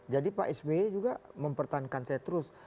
jadi pak sbe juga mempertahankan saya terus